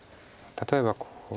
例えばこう。